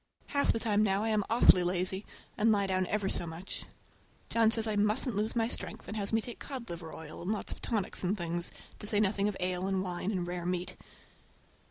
Half the time now I am awfully lazy, and lie down ever so much. John says I musn't lose my strength, and has me take cod liver oil and lots of tonics and things, to say nothing of ale and wine and rare meat.